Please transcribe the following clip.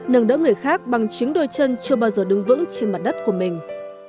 nâng đỡ người khác bằng chính đôi chân chưa bao giờ đứng vững trên mặt đất của mình